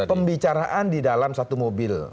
pembicaraan di dalam satu mobil